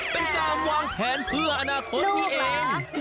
เป็นการวางแผนเพื่ออนาคตนี้เอง